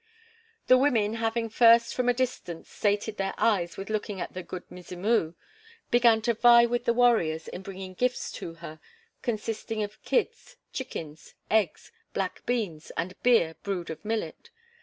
The women, having first from a distance sated their eyes with looking at the "Good Mzimu," began to vie with the warriors in bringing gifts to her, consisting of kids, chickens, eggs, black beans, and beer brewed of millet.